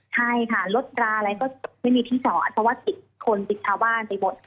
ใช่ค่ะรถราอะไรก็ไม่มีที่จอดเพราะว่าติดคนติดชาวบ้านไปหมด